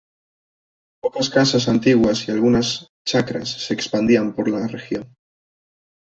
Pocas casas antiguas y algunas chacras se expandían por la región.